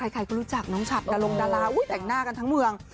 ใครก็รู้จักน้องฉัดดารงดาราแต่งหน้ากันทั้งเมือง